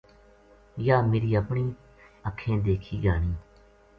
یاہ میری اپنی اکھیں دیکھی گہانی